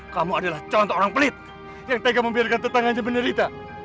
kamu adalah contoh orang pelit yang tega membiarkan tetangganya penderita